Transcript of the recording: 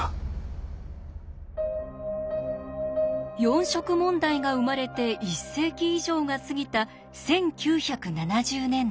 四色問題が生まれて１世紀以上が過ぎた１９７０年代。